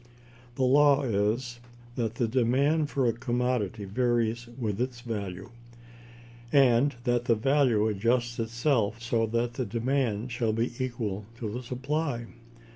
The law is, that the demand for a commodity varies with its value, and that the value adjusts itself so that the demand shall be equal to the supply.